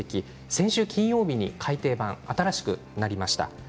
先週、金曜日に改訂版新しくなりました。